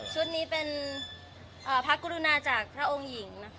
ชุดนี้เป็นพระกรุณาจากพระองค์หญิง